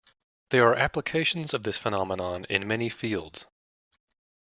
There are applications of this phenomenon in many fields.